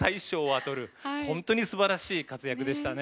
本当にすばらしい活躍でしたね。